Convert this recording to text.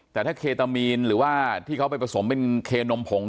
แต่ถ้าเคตามีนหรือว่าที่เขาไปผสมเป็นเคนมผง